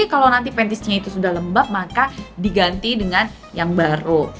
kalau nanti petisnya itu sudah lembab maka diganti dengan yang baru